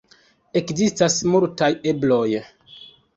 Ekzistas multaj ebloj.